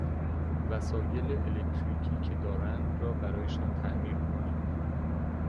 وسایل الکتریکی که دارند را برایشان تعمیر کنید،